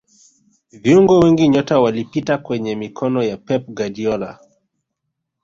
viungo wengi nyota walipita kwenye mikono ya pep guardiola